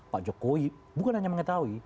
pak jokowi bukan hanya mengetahui